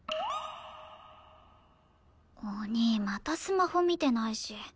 お兄またスマホ見てないし。